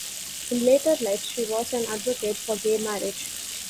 In later life, she was an advocate for gay marriage.